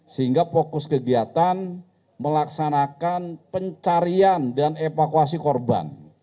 sehingga fokus kegiatan melaksanakan pencarian dan evakuasi korban